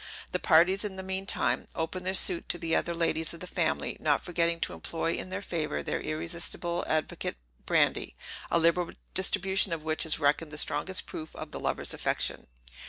The parties, in the mean time, open their suit to the other ladies of the family, not forgetting to employ in their favor their irresistible advocate brandy, a liberal distribution of which is reckoned the strongest proof of the lover's affection.